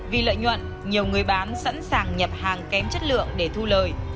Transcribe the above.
vì lợi nhuận nhiều người bán sẵn sàng nhập hàng kém chất lượng để thu lời